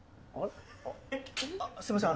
すみません